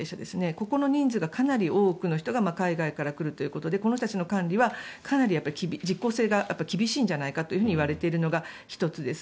ここの人数がかなり多くの人が海外からくるということでこの人たちの管理はかなり実効性が厳しんじゃないかといわれているのが１つです。